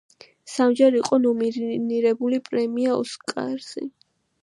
სამჯერ იყო ნომინირებული პრემია ოსკარზე.